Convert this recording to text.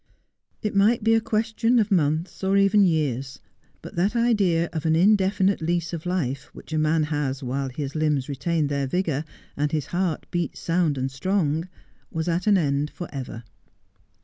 It might be a question of months, or even years ; but that idea of an indefinite lease of life which a man has while his limbs retain their vigour, and his heart beats sound and strong, was at an end for ever.